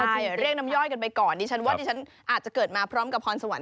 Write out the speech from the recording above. เรียกน้ำย่อยกันไปก่อนดิฉันว่าดิฉันอาจจะเกิดมาพร้อมกับพรสวรร